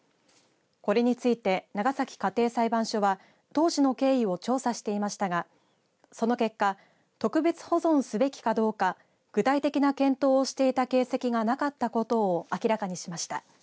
これについて長崎家庭裁判所は当時の経緯を調査していましたがその結果特別保存すべきかどうか具体的な検討をしていた形跡がなかったことを明らかにしました。